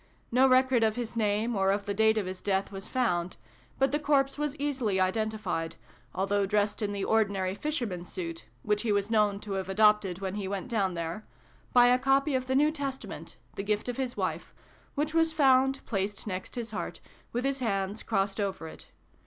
No record of his name, or of the date of his death, was found: but the corpse was easily identified, although dressed in the ordinary fisherman s suit (which he was known to have adopted when he went down there], by a copy of the New Testament, the gift of his wife, which was found, placed next his heart, with his hands crossed over it.